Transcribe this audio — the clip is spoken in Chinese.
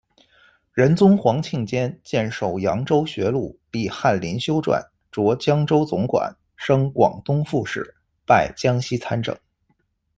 仁宗皇庆间荐授扬州学录，历翰林修撰，擢江州总管，升广东副使，拜江西参政。